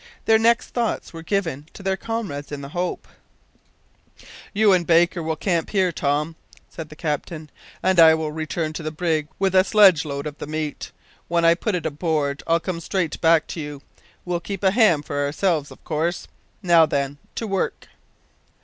Their next thoughts were given to their comrades in the Hope. "You and Baker will camp here, Tom," said the captain, "and I will return to the brig with a sledge load of the meat. When I've put it aboard I'll come straight back to you. We'll keep a ham for ourselves, of course. Now then, to work."